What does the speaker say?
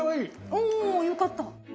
およかった。